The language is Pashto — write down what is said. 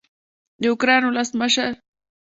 د اوکراین ولسمشر